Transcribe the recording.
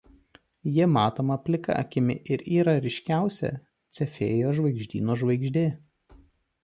Ji matoma plika akimi ir yra ryškiausia Cefėjo žvaigždyno žvaigždė.